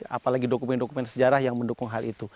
apalagi dokumen dokumen sejarah yang mendukung hal itu